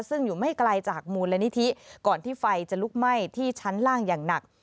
ซึ่งอยู่ไม่ไกลจากมูลนิธิก่อนที่ไฟจะลุกไหม้ที่ชั้นล่างอย่างหนัก